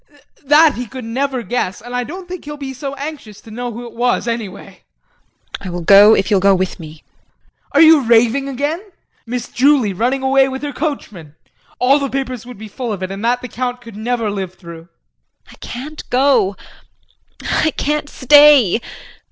That he could never guess, and I don't think he'll be so anxious to know who it was, anyway. JULIE. I will go if you'll go with me. JEAN. Are you raving again? Miss Julie running away with her coachman? All the papers would be full of it and that the Count could never live through. JULIE. I can't go I can't stay.